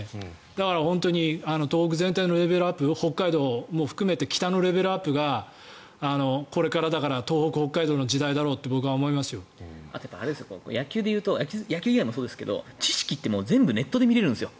だから、東北全体のレベルアップ北海道も含めて北のレベルアップがこれからだから東北、北海道の時代だとあと野球で言うと野球以外もそうですけど知識って全部ネットで見れるんですよ。